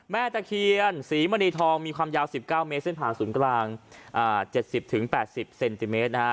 ตะเคียนศรีมณีทองมีความยาว๑๙เมตรเส้นผ่าศูนย์กลาง๗๐๘๐เซนติเมตรนะฮะ